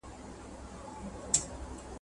زما یوه خواخوږي دوست !.